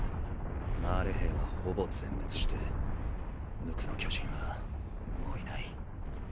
マーレ兵はほぼ全滅して無垢の巨人はもういない。